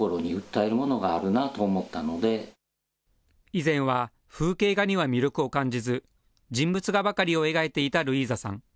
以前は、風景画には魅力を感じず、人物画ばかりを描いていたルイーザさん。